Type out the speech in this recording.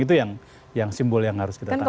itu yang simbol yang harus kita tangani